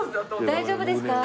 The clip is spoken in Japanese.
大丈夫ですか？